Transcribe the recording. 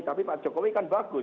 tapi pak jokowi kan bagus